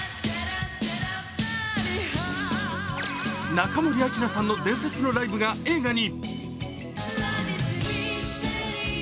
中森明菜さんの伝説のライブが映画に。